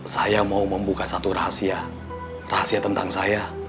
saya mau membuka satu rahasia rahasia tentang saya